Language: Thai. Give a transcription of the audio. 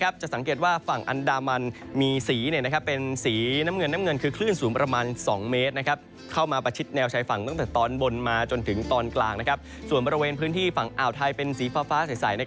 ส่วนบริเวณพื้นที่ฝั่งอ่าวไทยเป็นสีฟ้าใส